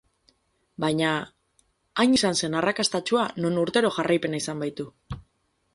Baina, hain izan zen arrakastatsua, non urtero jarraipena izan baitu.